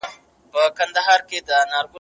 د ټکنالوجۍ په مرسته ونو خطر ارزول کېږي.